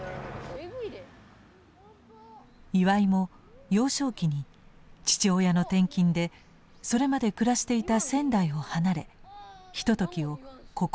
岩井も幼少期に父親の転勤でそれまで暮らしていた仙台を離れひとときをここ大阪で過ごした。